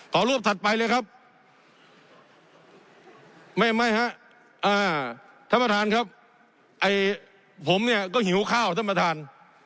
รูปถัดไปเลยครับไม่ไม่ฮะอ่าท่านประธานครับไอ้ผมเนี่ยก็หิวข้าวท่านประธาน